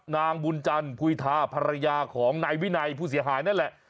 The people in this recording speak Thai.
นางบุญจันทร์ภุยทาภรรยาของนายวินัยผู้เสียหายนั่นแหละ